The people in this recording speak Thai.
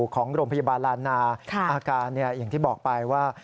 ของโรงพยาบาลลานาอาการอย่างที่บอกไปว่า